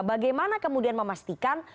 bagaimana kemudian memastikan